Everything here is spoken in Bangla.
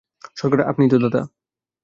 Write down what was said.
সরকার, আপনিই তো দাতা।